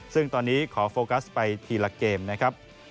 ซึ่งตอนนี้ขอโฟกัสไปทีละเกมนะครับ